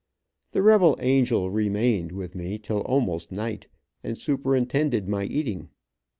The rebel angel re mained with me till almost night, and superintended my eating.